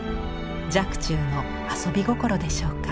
若冲の遊び心でしょうか。